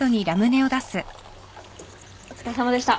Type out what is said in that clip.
お疲れさまでした。